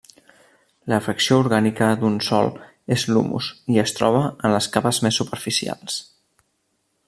La fracció orgànica d'un sòl és l'humus i es troba en les capes més superficials.